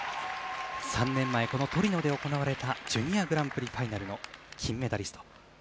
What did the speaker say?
３年前トリノで行われたジュニアグランプリファイナルの銀メダリスト。